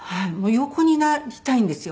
横になりたいんですよ